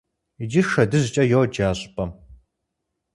Иджы «ШэдыжькӀэ» йоджэ а щӏыпӏэм.